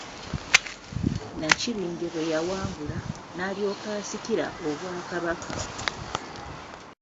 Nnakibinge bwe yawangula, n'alyoka asikira obwakabaka.